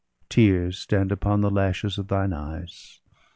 Tears stand upon the lashes of thine eyes.